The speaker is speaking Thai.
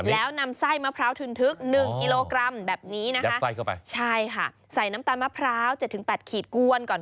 แล้วนำไส้มะพร้าวทึนทึก๑กิโลกรัมแบบนี้นะคะใส่น้ำตาลมะพร้าว๗๘ขีดกวนก่อน